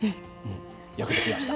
よくできました。